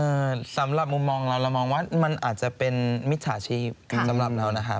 สำหรับมุมมองเราเรามองว่ามันอาจจะเป็นมิจฉาชีพสำหรับเรานะคะ